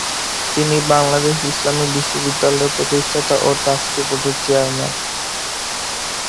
তিনি বাংলাদেশ ইসলামী বিশ্ববিদ্যালয়ের প্রতিষ্ঠাতা ও ট্রাস্টি বোর্ডের চেয়ারম্যান।